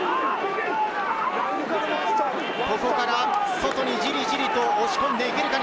ここから外にジリジリと押し込んでいけるか？